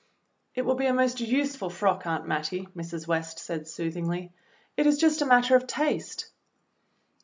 "It will be a most useful frock, Aunt Mattie," Mrs. West said soothingly; "it is just a matter of taste."